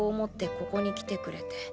ここに来てくれて。